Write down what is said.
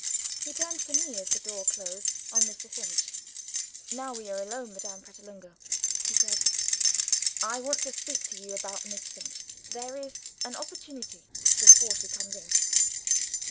He turned to me, as the door closed on Mr. Finch. "Now we are alone, Madame Pratolungo," he said, "I want to speak to you about Miss Finch. There is an opportunity, before she comes in.